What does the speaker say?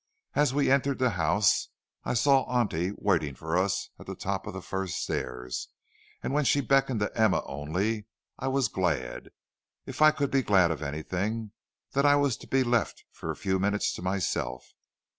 As we entered the house, I saw auntie waiting for us at the top of the first stairs; and when she beckoned to Emma only, I was glad if I could be glad of anything that I was to be left for a few minutes to myself.